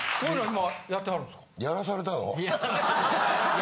今。